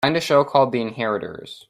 Find a show called The Inheritors